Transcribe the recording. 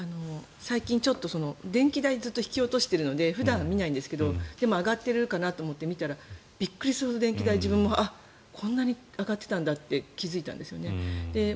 最近、電気代をずっと引き落としているので普段、見ないんですけど上がってるかなと思って見たらびっくりするほど電気代がこんなに上がっているんだと気付いたんですよね。